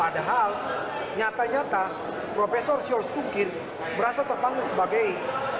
padahal nyata nyata profesor sjors tunggir berasa terpanggil sebagai seorang yang berpengalaman